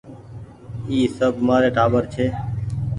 اي سب مآري ٽآٻر ڇي۔